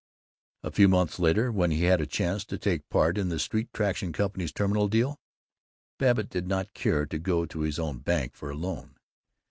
A few months later, when he had a chance to take part in the Street Traction Company's terminal deal, Babbitt did not care to go to his own bank for a loan.